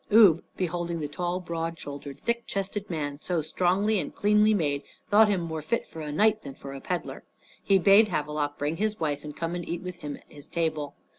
Ubbe, beholding the tall, broad shouldered, thick chested man, so strong and cleanly made, thought him more fit for a knight than for a peddler. He bade Havelok bring his wife and come and eat with him at his table.